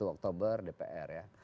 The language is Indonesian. dua oktober dpr ya